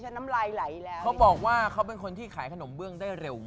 เชิญเข้ามาเชิญเลยนะพบกับพี่แป๊ะขนมเบือด